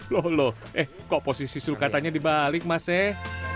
loh loh eh kok posisi sulcatanya dibalik mas eh